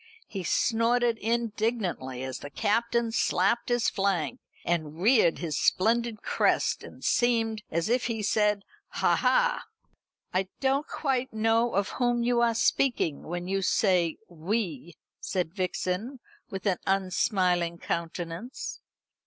He snorted indignantly as the Captain slapped his flank, and reared his splendid crest, and seemed as if he said "Ha, ha!" "I don't quite know of whom you are speaking when you say 'we,'" said Vixen, with an unsmiling countenance.